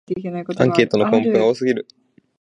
アンケートの項目が多すぎる